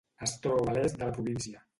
Es troba a l'est de la província.